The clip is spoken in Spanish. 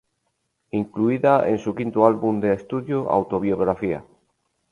Incluida en su quinto álbum de estudio "Autobiografía".